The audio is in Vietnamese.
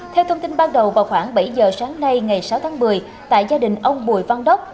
theo thông tin ban đầu vào khoảng bảy giờ sáng nay ngày sáu tháng một mươi tại gia đình ông bùi văn đốc